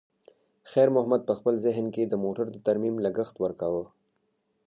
خیر محمد په خپل ذهن کې د موټر د ترمیم لګښت ورکاوه.